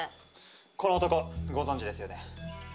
この男ご存じですよね？